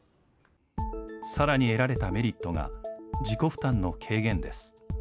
さらに得られたメリットが、自己負担の軽減です。